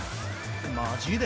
マジで？